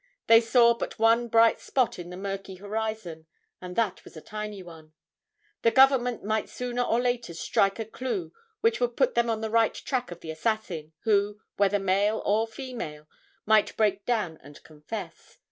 They saw but one bright spot in the murky horizon, and that was a tiny one. The government might sooner or later strike a clue which would put them on the right track of the assassin, who, whether male or female, might break down and confess.